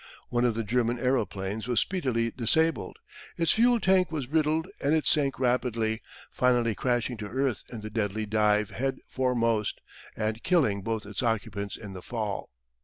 One of the German aeroplanes was speedily disabled. Its fuel tank was riddled and it sank rapidly, finally crashing to earth in the deadly dive head foremost, and killing both its occupants in the fall.